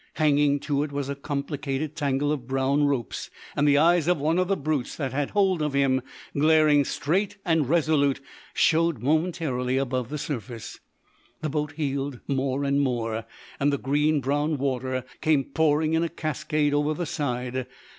Hanging to it was a complicated tangle of brown ropes; and the eyes of one of the brutes that had hold of him, glaring straight and resolute, showed momentarily above the surface. The boat heeled more and more, and the green brown water came pouring in a cascade over the side.